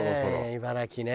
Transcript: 茨城ね。